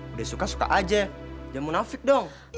udah suka suka aja ya munafik dong